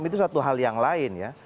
itu suatu hal yang lain ya